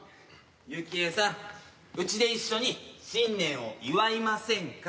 幸恵さんうちで一緒に新年を祝いませんか？